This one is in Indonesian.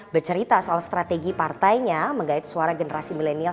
bercerita soal strategi partainya menggait suara generasi milenial